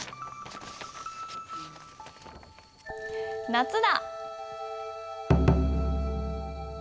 「夏だ」。